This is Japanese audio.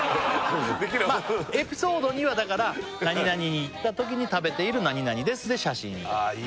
まっエピソードにはだから何々に行ったときに食べている何々ですで写真あっ